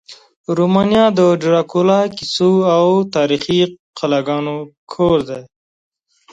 رومانیا د ډرکولا کیسو او تاریخي قلاګانو کور دی.